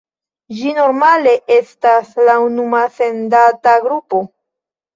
Ĝi normale estas la unua sendata grupo.